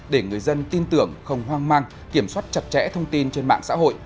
để người dân tin tưởng không hoang mang kiểm soát chặt chẽ thông tin trên mạng xã hội